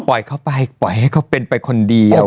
เข้าไปปล่อยให้เขาเป็นไปคนเดียว